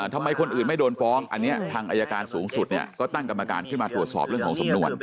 ทำไมคนอื่นไม่โดนฟ้องอันนี้ทางอายการสูงสุดเนี่ยก็ตั้งกรรมการขึ้นมาตรวจสอบเรื่องของสำนวน